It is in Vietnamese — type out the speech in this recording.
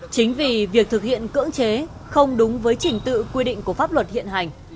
chính vì việc thực hiện cưỡng chế không đúng với trình tự quy định của pháp luật hiện hành